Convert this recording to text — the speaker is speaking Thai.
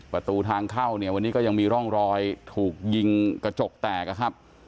ประตูทางเข้าวันนี้ก็ยังมีร่องรอยถูกยิงกระจกแตก